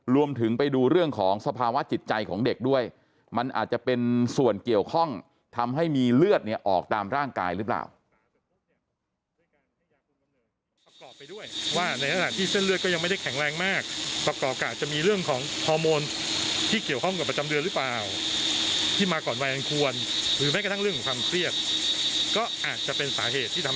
ไปดูเรื่องของสภาวะจิตใจของเด็กด้วยมันอาจจะเป็นส่วนเกี่ยวข้องทำให้มีเลือดเนี่ยออกตามร่างกายหรือเปล่า